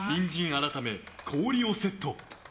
改め、氷をセット。